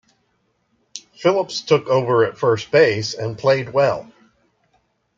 Phillips took over at first base and played well.